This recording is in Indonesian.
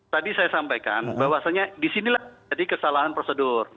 tadi saya sampaikan bahwasannya disinilah jadi kesalahan prosedur